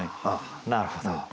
なるほど。